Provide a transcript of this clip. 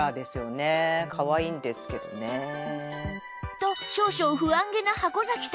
と少々不安げな箱崎さん